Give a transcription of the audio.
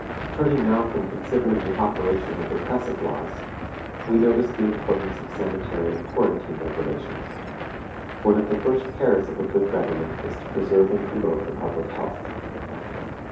Turning now from considering the operation of repressive laws, we notice the importance of sanitary and quarantine regulations. One of the first cares of a good government is to preserve and promote the public health.